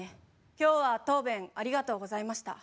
今日は答弁ありがとうございました。